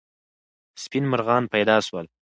سپین مرغان پیدا سول.